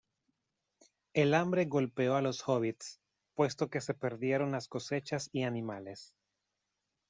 El hambre golpeó a los hobbits, puesto que se perdieron las cosechas y animales.